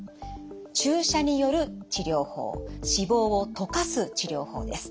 注射による治療法脂肪を溶かす治療法です。